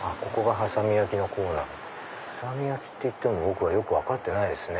波佐見焼っていっても僕はよく分かってないですね。